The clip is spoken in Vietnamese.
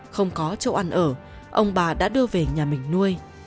không có chỗ ăn ở ông bà đã đưa về nhà mình nuôi